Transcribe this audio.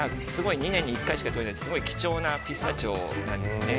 ２年に１回しかとれないので貴重なピスタチオなんですね。